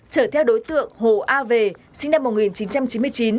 chở theo đối tượng hồ a về sinh năm một nghìn chín trăm chín mươi chín